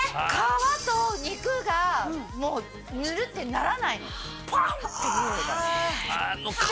皮と肉がもうぬるってならないの。